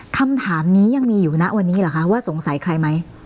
คำถามนี้ยังมีอยู่นะวันนี้เหรอคะว่าสงสัยใครไหม